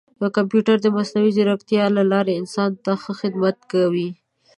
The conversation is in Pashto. کمپیوټرونه د مصنوعي ځیرکتیا له لارې انسان ته ښه خدمت کوي.